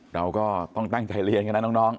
เราก็ต้องตั้งใจเรียนกันนะน้อง